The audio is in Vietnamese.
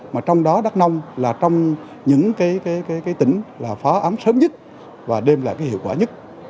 mà trong đó đắk nông là trong những tỉnh phá án sớm nhất và đem lại hiệu quả nhất